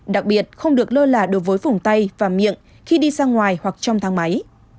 đặc biệt không được lơ là đột vối phủng tay và miệng khi đi sang ngoài hoặc trong thang máy